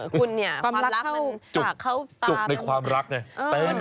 คุณเนี่ยความรักมันจุกในความรักไง